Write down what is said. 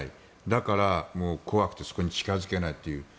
だから怖くてそこに近付けないという。